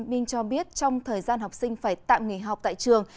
minh cho biết trong thời gian học sinh phải tạm nghỉ học tại trường